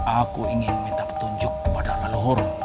aku ingin meminta petunjuk kepada leluhur